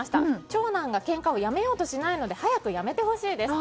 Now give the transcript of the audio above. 長男がけんかをやめようとしないので早くやめてほしいです。